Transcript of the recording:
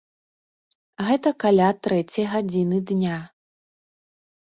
Гэта каля трэцяй гадзіны дня.